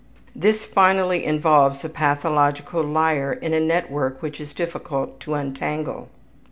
This finally involves a pathological liar in a network which is difficult to untangle.